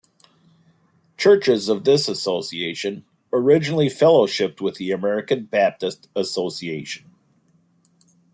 Churches of this association originally fellowshipped with the American Baptist Association.